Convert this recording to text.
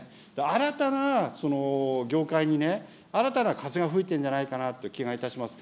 新たな業界にね、新たな風が吹いてるんじゃないかなという気がいたします。